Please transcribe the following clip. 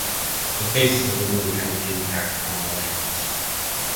The phases of the moon have an impact on all animals.